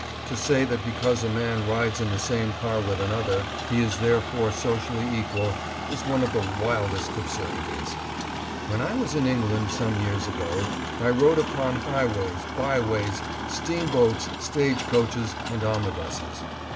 To say that because a man rides in the same car with another, he is there fore socially equal, is one of the wildest absurdities. When I was in England, some years ago, I rode upon ADDRESS AT LINCOLN HALL. 669 highways, byways, steamboats, stage coaches and omni buses.